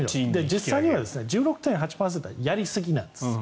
実際には１６．８％はやりすぎなんです。